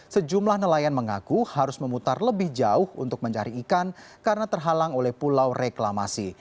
sejumlah nelayan mengaku harus memutar lebih jauh untuk mencari ikan karena terhalang oleh pulau reklamasi